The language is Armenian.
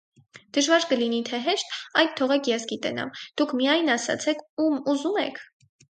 - Դժվար կլինի թե հեշտ, այդ թողեք ես գիտենամ, դուք միայն ասացեք, ուզո՞ւմ եք: